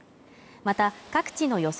また各地の予想